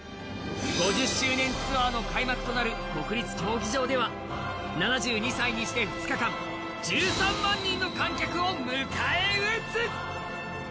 ５０周年ツアーの開幕となる国立競技場では７２歳にして２日間、１３万人の観客を迎えうつ。